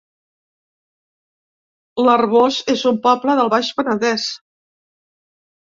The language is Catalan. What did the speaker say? L'Arboç es un poble del Baix Penedès